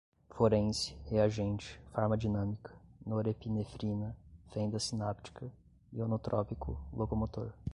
forense, reagente, farmadinâmica, norepinefrina, fenda sináptica, ionotrópico, locomotor